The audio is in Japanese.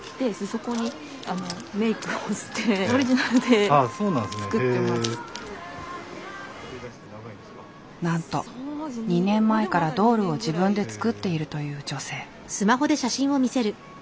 ＮＨＫなんですけどなんと２年前からドールを自分で作っているという女性。